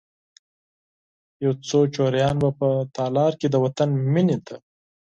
یو څو هلکان به په تالار کې، د وطن میینې ته،